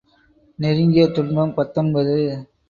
நெருங்கிய துன்பம் பத்தொன்பது .